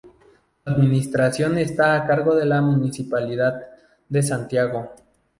Su administración está a cargo de la Municipalidad de Santiago.